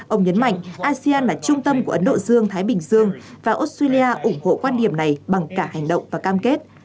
ông nhấn mạnh asean là trung tâm của ấn độ dương thái bình dương và australia ủng hộ quan điểm này bằng cả hành động và cam kết